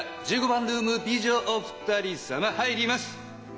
１５番ルーム美女お二人様入ります」。